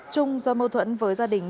trung do mâu thuẫn với gia đình